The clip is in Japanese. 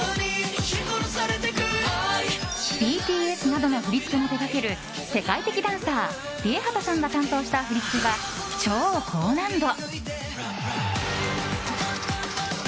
ＢＴＳなどの振り付けも手掛ける世界的ダンサーＲＩＥＨＡＴＡさんが担当した振り付けは超高難度！